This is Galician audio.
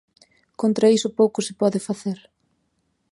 Contra iso pouco se pode facer.